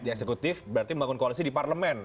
di eksekutif berarti membangun koalisi di parlemen